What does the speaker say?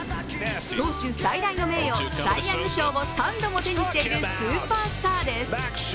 投手最大の名誉サイ・ヤング賞を３度も手にしているスーパースターです。